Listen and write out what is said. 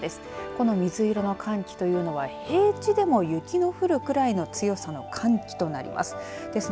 この水色の寒気というのは平地でも雪の降るくらいの強さの寒気となります。